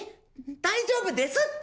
大丈夫ですって。